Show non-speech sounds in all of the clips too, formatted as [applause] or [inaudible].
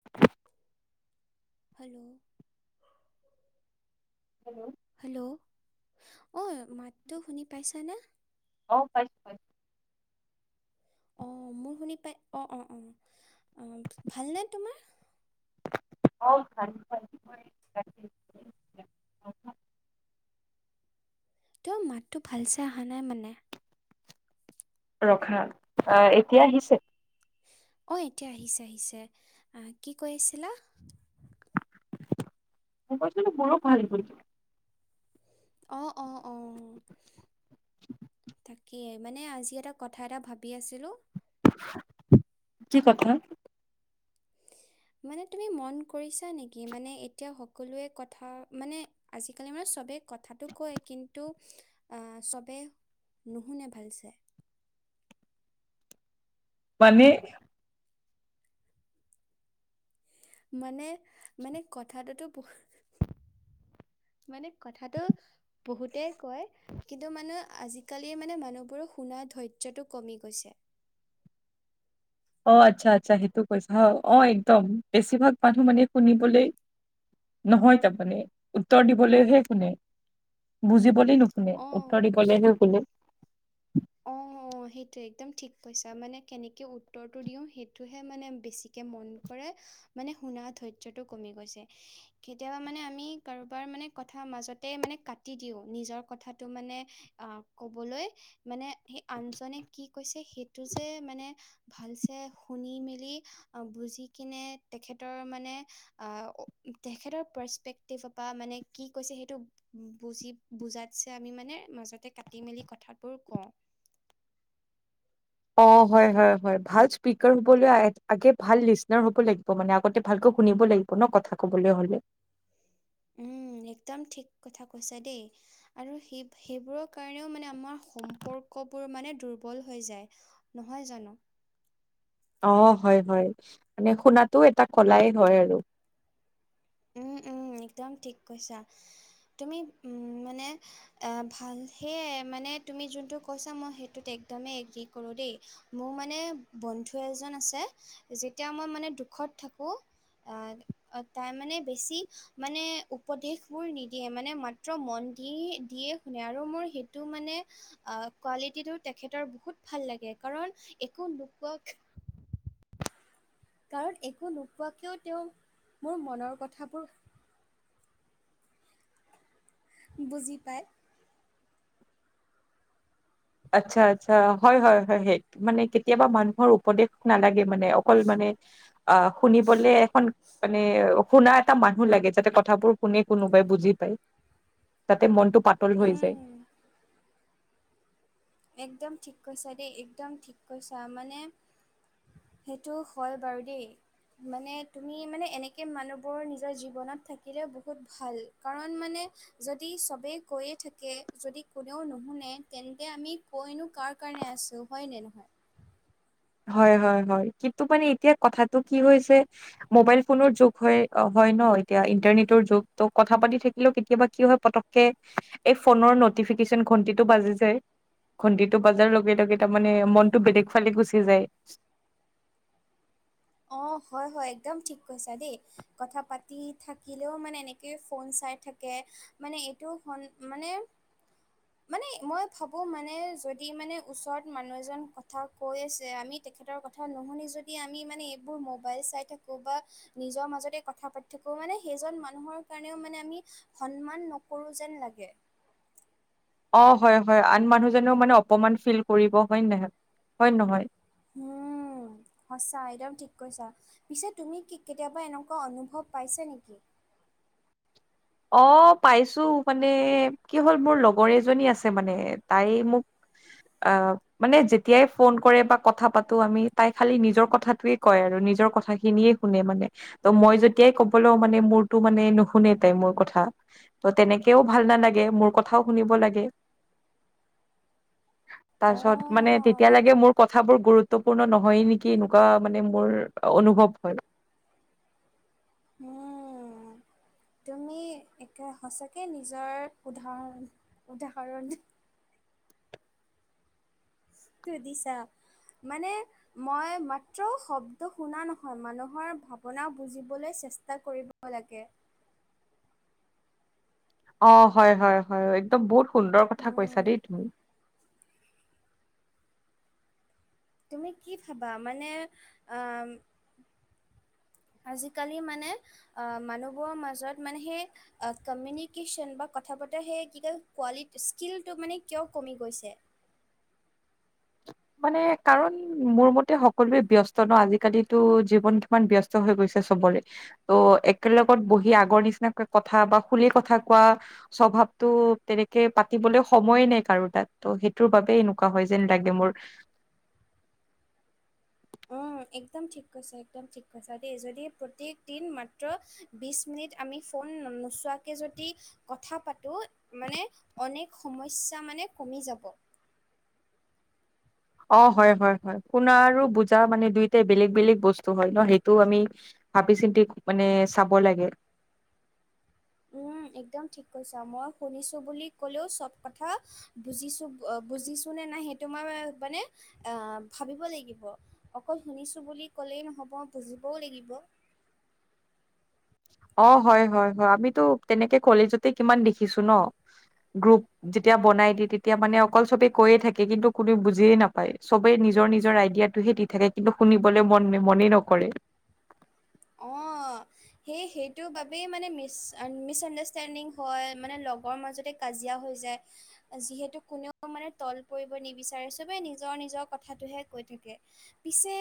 [inaudible] Hello hello hello অ মাতটো শুনি পাইছানে? অ পাই অ মোৰ শুনি পাই, অ-অ-অ ভালনে তোমাৰ? অ ভাল ভাল। তেওঁ মাতটো ভাল চাই অহা নাই মানে। ৰখা অঁ এতিয়া আহিছে। অঁ এতিয়া আহিছে আহিছে, আহ' কি কৈ আছিলা?। ক'ৰবাতনো বৰ ভাল কৈ অ', অ', অ', তাকেই, মানে আজি এটা,,, কথা এটা ভাবি আছিলোঁ। কি কথা?। মানে তুমি মন কৰিছা নেকি, মানে এতিয়া সকলোৱে কথা মানে আজিকালি মানে চবে কথাতটো কয় কিন্তু আহ চবে,,, নুশুনে ভাল চে মানে মানে মানে কথাটোতো বহুত মানে কথাটো। বহুতেই কয় কিন্তু মানে আজিকালি মানে মানুহবোৰৰ শুনা ধৈৰ্য্যটো কমি গৈছে। অ' আচ্ছা-আচ্ছা, সেইটো কৈছা। অ', একদম, বেছিভাগ মানুহ মানে শুনিবলৈ‍,,, নহয় তাৰমানে, উত্তৰ দিবলৈহে হোনে। বুজিবলে নুশুনে, উত্তৰ অ', দিবলৈ শুনে। অঁ। অঁ', সেইটোৱে একদম ঠিক কৈছা, মানে কেনেকৈ উত্তৰটো দিওঁ সেইটোহে মানে, বেছিকে মন কৰে। মানে শুনা ধৈৰ্য্যটো কমি গৈছে। কেতিয়াবা মানে আমি কাৰোবাৰ মানে কথা মাজতে মানে কাটি দিও, নিজৰ কথাটো মানে,,, আহ কবলৈ মানে সেই আনজনে কি কৈছে সেইটো যে মানে ভালচে শুনি মেলি, বুজি কিনে, তেখেতৰ মানে, আহ তেখেতৰ পাৰ্চপেক্টিটেপা, মানে কি কৈছে সেইটো বুজি, বুজাতছে আমি মানে, মাজতে কাটি মেলি কথাবোৰ কওঁ। অ', হয়ঁ হয়ঁ হয়ঁ, ভাল স্পীকাৰ হবলৈ, আগে ভাল লিচনাৰ হ'ব লাগিব। মানে, আগতে ভালকৈ শুনিব লাগিব। কোনো' কথা কবলে হ'লে। উমঁ, একদম ঠিক কথা কৈছা দেই। আৰু সেই-সেইবোৰৰ কাৰণেও মানে, আমাৰ সম্পৰ্কবোৰ মানে দুৰ্বল হৈ যায়। নহয় জানো? অঁ, হয়ঁ হয়ঁ। মানে, শুনাতটো এটা কলাই হয় আৰু। উমঁ উমঁ, একদম ঠিক কৈছা। তুমি উম, মানে,, এ ভাল, সেয়াই মানে তুমি যোনটো কৈছা, মই সেইটোত একদমেই এগ্ৰী কৰোঁ দেই। মোৰ মানে বন্ধু এজন আছে, যেতিয়া মই মানে দুখত থাকোঁ,,, অ', তাই মানে,,, বেছি, মানে উপদেশবোৰ নিদিয়ে, মানে মাত্ৰ মন দি-দিয়ে শুনে, আৰু মোৰ সেই,,, টো মানে, কোৱালিটিটো তেখেতৰ বহুত ভাল লাগে। কাৰণ একো নোকোৱাক,,,, কাৰণ একো নোপোৱাকৈও তেওঁ, মোৰ মনৰ কথাবোৰ বুজি পায়। আচ্ছা-আচ্ছা, হয়ঁ হয়ঁ হয়ঁ, মানে কেতিয়াবা মানুহৰ উপদে নালাগে মানে, অকল মানে অ', শুনিবলে এখন মানে শুনা এটা মানুহ লাগে, যাতে কথাবোৰ শুনি কোনোবাই বুজি পায়। তাতে মনতটো পাতল হৈ যায়। [inaudible] একদম ঠিক কৈছা দেই, একদম ঠিক কৈছা, মানে সেইটো হয় বাৰু দেই। মানে, তুমি মানে এনেকে মানুহবোৰ নিজৰ জীৱনত থাকিলে বহুত ভাল। কাৰণ মানে যদি চবেই কৈয়ে থাকে, যদি কোনেও নুশুনে, তেন্তে আমি কৈ নো কাৰ কাৰণে আছো হয়নে নহয় হয় হয় হয় কিন্তু মানে এতিয়া কথাটো কি হৈছে ম'বাইল ফোনৰ যুগ হয় হয় ন এতিয়া ইন্টাৰনেটৰ যুগ ত কথা পাতি থাকিলেও কেতিয়াবা কি হয় পতককে এই ফোনৰ নটিফিকেচন ঘন্টিটো বাজি যায়। খণ্টিটো বজাৰ লগে লগে তাৰমানে মনটো বেলেগ ফালে গুচি যায়। অ হয় হয় একদম ঠিক কৈছা দেই। কথা পাতি থাকিলেও মানে এনেকেই ফোন চাই থাকে। মানে এইটো সন মানে মানে মই ভাবোঁ মানে যদি মানে ওচৰত মানুহ এজন কথা কৈ আছে আমিত তেখেতৰ কথা নুশুনি যদি আমি মানে এইবোৰ মোবাইল চাই থাকোঁ বা নিজৰ মাজতে কথা পাতি থাকো, মানে সেইজন মানুহৰ কাৰণেও মানে আমি সন্মান নকৰো যেন লাগে। অ', হয় হয়, আন মানুহজনেও মানে অপমান ফিল কৰিব, হয় নহয়, হয় নহয়? হম সঁচা একদম ঠিক কৈছা পিছে তুমি কি কেতিয়াবা এনেকুৱা অনুভৱ পাইছে নেকি? অ পাইছো মানে কি হ'ল মোৰ লগৰ এজনী আছে মানে তাই মোক আ মানে যেতিয়াই ফোন কৰে বা কথা পাতো আমি তাই খালি নিজৰ কথাটোৱে কয় আৰু নিজৰ কথা খিনিয়ে শুনে মানে ত মই যেতিয়াই ক'ব লও মানে মোৰটো মানে নুশুনে। তাই মোৰ কথা ত' তেনেকেও ভাল নালাগে মোৰ কথাও শুনিব লাগে। [inaudible] তাৰপিছত মানে অঁ, তেতিয়া লাগে মোৰ কথাবোৰ গুৰু- ত্বপূৰ্ণ নহয়ে নেকি এনেকুৱা মানে মোৰ অনুভৱ হয়। উম তুমি একে সঁচাকে নিজৰ উদাহৰ উদাহৰণ তই দিছা মানে মই মাত্ৰ শব্দ শুনা নহয় মানুহৰ ভাৱনা বুজিবলৈ চেষ্টা কৰিব হ লাগে। অ হয় হয় হয় একদম বহুত সুন্দৰ কথা কৈছা উম দেই তুমি। তুমি কি ভাবা মানে আ আজি-কালি মানে আ মানুহবোৰৰ মাজত মানে সেই কমিউনিকেশ্যন বা কথা পতৰা সেই কি [unintelligible] কোৱালিটি স্কিলটো মানে কিয় কমি গৈছে মানে কাৰণ মোৰ মতে সকলোৱে ব্যস্ত ন আজি-কালিতো জীৱন কিমান ব্যস্ত হৈ গৈছে চবৰে। ত' একেলগত বহি আগৰ নিচিনাকৈ কথা বা খুলি কথা কোৱা স্বভাৱতো তেনেকে পাতিবলে সময়ে নাই কাৰো তাত ত' সেইটোৰ বাবে এনেকুৱা হয় যেন লাগে মোৰ। [unintelligible] উম, একদম ঠিক কৈছে একদম ঠিক কৈছা দেই যদি প্ৰত্যেকদিন মাত্ৰ বিশ এক মিনিট আমি ফোন নো নোচোৱাকে যদি কথা পাতো মানে অনেক সমস্যা মানে কমি যাব। অ হয় হয় হয় শুনা আৰু বুজা মানে দুইটাই বেলেগ বেলেগ বস্তু হয় ন সেইটো আমি ভাবি চিন্তি মানে চাব লাগে। উম একদম ঠিক কৈছা মই শুনিছো বুলি ক'লেও চব কথা বুজিছো অহ বুজিছোঁ নে নাই সেইটো মই মানে আহ ভাবিব লাগিব অকল শুনিছো বুলি কলেই নহব বুজিবও লাগিব অহ হয় হয় হয় আমিতো তেনেকে কলেজতে কিমান দেখিছো ন গ্ৰুপ যেতিয়া বনাই দিয়ে তেতিয়া মানে অকল চবে কৈয়ে থাকে কিন্তু কোনও বুজিয়ে নাপ হয় চবে নিজৰ নিজৰ আইডিয়াটোহে দি থাকে কিন্তু শুনিবলৈ মন মনেই নকৰে অঁহ সেই সেইটোৰ বাবেই মানে মিচ মিচ আণ্ডাৰষ্টেণ্ডিং হয় মানে লগৰ মাজতে কাজিয়া হৈ যায় যিহেতু কোনেও মানে তল পৰিব নিবিচাৰে চবেই নিজৰ নিজৰ কথাটোহে কৈ থাকে পিছে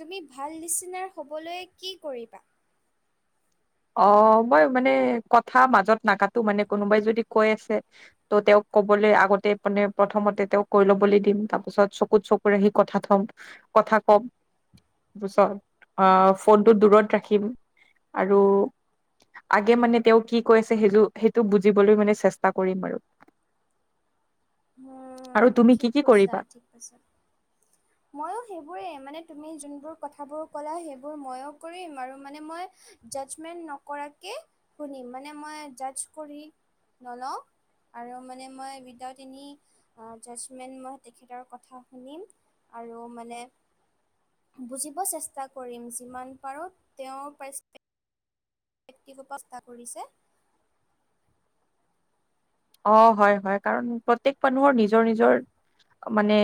তুমি ভাল নিচিনাৰ হ'বলৈ কি কৰিবা অহ মই মানে কথা মাজত নাকাতো মানে কোনোবাই যদি কৈ আছে ত' তেওঁক ক'বলৈ আগতে মানে প্ৰথমতে তেওঁক কৈ ল'বলৈ দিম তাৰপিছত চকুত চকু ৰাখি কথা থ'ম কথা কম ওচৰ অহ ফোনটো দূৰত ৰাখিম আৰু আগে মানে তেওঁ কি কৈছে সেইটো সেইটো বুজিবলৈ মানে চেষ্টা কৰিম আৰু আৰু উম তুমি কি ঠিক কি কৈছা কৰিবা ঠিক কৈছা ময়ো সেইবোৰেই মানে তুমি যোনবোৰ কথাবোৰ ক'লা সেইবোৰ ময়ো কৰিম আৰু মানে মই জাজমেন্ট নকৰাকে শুনিম মানে মই জাচ কৰি নলওঁ আৰু মানে মই উইডাইড তিনি অহ জাজমেণ্ট মই তেখেতৰ কথা শুনিম আৰু মানে বুজিব চেষ্টা কৰিম যিমান পাৰোঁ তেওঁ পাৰ্চ ব্যক্তিগত ব্যৱস্তা কৰিছে অহ হয় হয় কাৰণ প্ৰত্যেক মানুহৰ নিজৰ নিজৰ মানে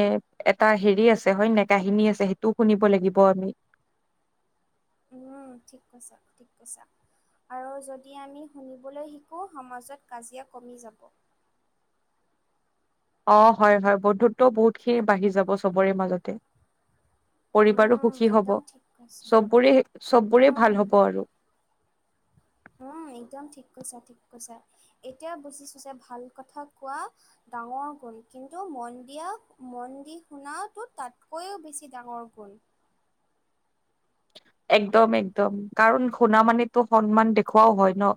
এটা হেৰি আছে হয় নাই কাহিনী আছে সেইটোও শুনিব লাগিব আমি উম ঠিক কৈছা ঠিক কৈছা আৰু যদি আমি শুনিবলৈ শিকোঁ সমাজত কাজিয়া কমি যাব অহ হয় হয় বন্ধুত্বও বহুত খিনি বাঢ়ি যাব চবৰে মাজতে পৰিবাৰো উম সুখী হব একদম ঠিক কৈছা চববোৰে চববোৰে ভাল উম হব আৰু উম একদম ঠিক কৈছা ঠিক কৈছা এতিয়া বুজিছো যে ভাল কথা কোৱা ডাঙৰ গুণ কিন্তু মন দিয়া মন দি শুনাটো তাতকৈও বেছি ডাঙৰ গুণ একদম একদম কাৰণ শুনা মানেটো সন্মান দেখুুৱাও হয় ন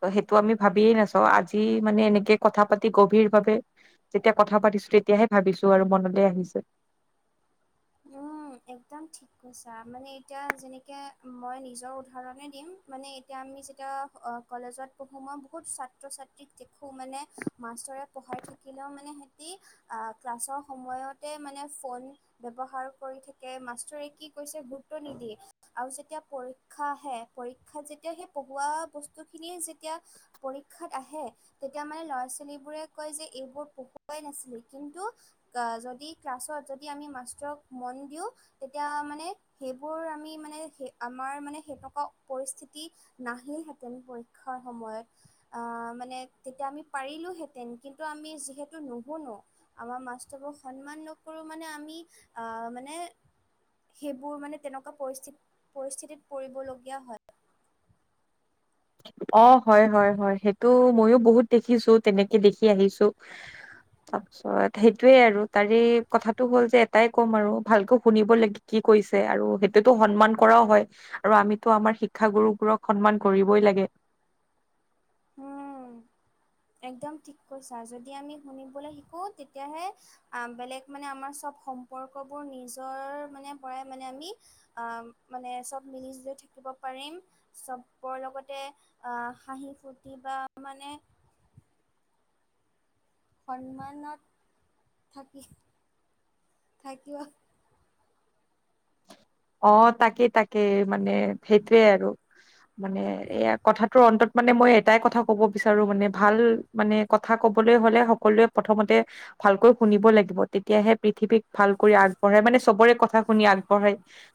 ত সেইটো আমি ভাবিয়ে থাকে আজি মানে এনেকে কথা পাতি গভীৰ ভাৱে যেতিয়া কথা পাতিছোঁ তেতিয়াহে ভাবিছোঁ আৰু মনলৈ আহিছে উম একদম ঠিক কৈছা মানে এতিয়া যেনেকে মই নিজৰ উদাহৰণে দিম মানে এতিয়া আমি যেতিয়া অহ কলেজত পঢ়োঁ মই বহুত ছাত্ৰ ছাত্ৰীক দেখোঁ মানে মাষ্টৰে পঢ়াই থাকিলেও মানে সিহঁতি আহ ক্লাছৰ সময়তে মানে ফোন ব্যৱহাৰ কৰি থাকে মাষ্টৰে কি কৈছে গুৰুত্ব নিদিয়ে আৰু যেতিয়া পৰীক্ষা আহে পৰীক্ষাত যেতিয়া সেই পঢ়োৱা বস্তু খিনি যেতিয়া পৰীক্ষাত আহে তেতিয়া মানে ল'ৰা ছোৱালীবোৰে কয় যে এইবোৰ পঢ়ৱাই নাছিলে কিন্তু অহ যদি ক্লাছত যদি আমি মাষ্টৰক মন দিওঁ তেতিয়া মানে সেইবোৰ আমি মানে সে আমাৰ মানে সেনকা পৰিস্থিতি নাহে হেঁতেন পৰীক্ষাৰ সময়ত আহ মানে তেতিয়া আমি পাৰিলোহেঁতেন কিন্তু আমি যিহেতু নুশুনো আমাৰ মাষ্টৰৰ সন্মান নকৰো মানে আমি আহ মানে। সেইবোৰ মানে তেনেকুৱা পৰিস্থিতি- পৰিস্থিতিত পৰিবলগীয়া হয়। অ' হয় হয় হয়, সেইটো ময়োও বহুত দেখিছো তেনেকে দেখি আহিছো। তাৰ পিছত সেইটোয়ে আৰু তাৰেই কথাটো হ'ল যে এটাই ক'ম আৰু ভালকে শুনিব লাগিব। কি কৈছে আৰু সেইটোতো সন্মান কৰাও হয় আৰু আমিতো আমাৰ শিক্ষাগুৰুবোৰক সন্মান কৰিব। কৰিবই লাগে। উম, একদম ঠিক কৈছা যদি আমি শুনিবলৈ শিকোঁ তেতিয়াহে। আহ, বেলেগ মানে আমাৰ চব সম্পৰ্কবোৰ নিজৰ মানে পৰাই মানে আমি। আহ মানে চব মিলি - জুলি থাকিব পাৰিম। চবৰ লগতে আহ হাঁহি ফূৰ্তি বা মানে। সন্মানত থাকিম, থাকিব। অ' তাকেই তাকেই মানে সেইটোৱে আৰু মানে এয়া কথাটোৰ অন্তত। মানে মই এটাই কথা ক'ব বিচাৰো মানে ভাল মানে কথা ক'বলৈ হলে সকলোৱে প্ৰথমতে। ভালকৈ শুনিব লাগিব, তেতিয়াহে পৃথিৱীক ভালকৈ আগবঢ়াই মানে চবৰে কথা। কথা শুনি আগবঢ়াই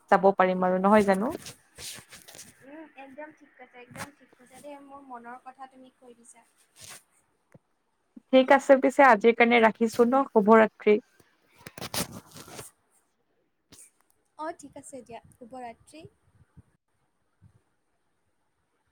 যাব পাৰিম আৰু নহয় জানো। [unintelligible] উম, একদম ঠিক কৈছা একদম ঠিক কৈছা দেই মোৰ মনৰ কথা তুমি কৈ দিছা। ঠিক আছে পিছে আজিৰ কাৰণে ৰাখিছো ন শুভৰাত্ৰি। অ' ঠিক আছে দিয়া, শুভ ৰাত্ৰি।